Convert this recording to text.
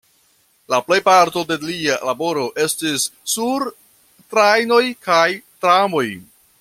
La plejparto de lia laboro estis sur trajnoj kaj tramoj.